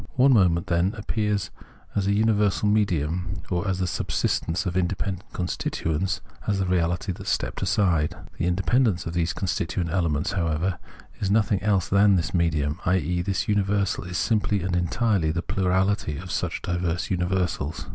One moment, then, appears as imiversal medium, or as the subsistence of independent constituents, as the reahty that has stepped aside. The independence of these constituent elements, however, is nothing else than this medium ; i.e. this universal is simply and entirely the plurality of such diverse universals.